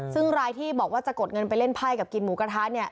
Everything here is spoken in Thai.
ซึ่งรายที่บอกว่าจะกดเงินไปเล่นไพ่กับกินหมูกระทะเนี่ย